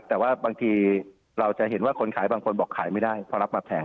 แต่ว่าบางทีเราจะเห็นว่าคนขายบางคนบอกขายไม่ได้พอรับมาแพง